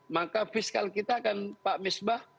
maka fiskal kita akan pak misbah